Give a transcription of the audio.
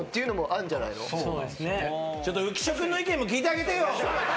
ちょっと浮所君の意見も聞いてあげてよ。